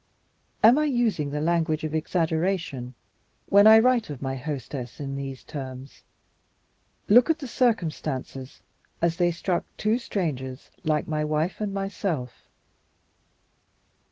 Am I using the language of exaggeration when I write of my hostess in these terms? Look at the circumstances as they struck two strangers like my wife and myself.